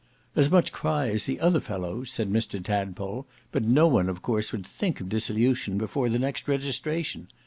"As much cry as the other fellows," said Mr Tadpole; "but no one of course would think of dissolution before the next registration.